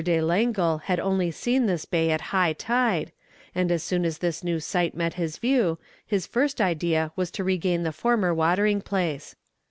de Langle had only seen this bay at high tide, and as soon as this new sight met his view his first idea was to regain the former watering place.